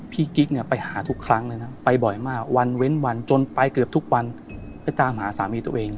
พี่กริ๊กเนี่ยไปหาทุกครั้งไปบ่อยมากวันเว้นวันจนไปกับทุกวันไปหาสามีตัวเอง